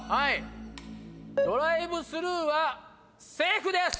ドライブスルーはセーフです！